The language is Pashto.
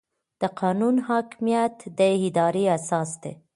د قانون حاکمیت د ادارې اساس دی.